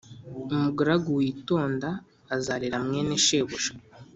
umugaragu witonda azarera mwene shebuja